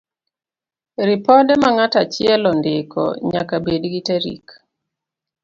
Ripode ma ng'ato achiel ondiko, nyaka bed gi tarik